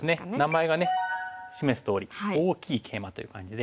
名前がね示すとおり大きいケイマという感じで。